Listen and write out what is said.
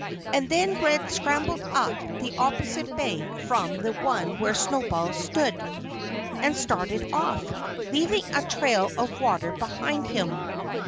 And then Red scrambled up the opposite bank from the one where Snowball stood, and started off, leaving a trail of water behind him.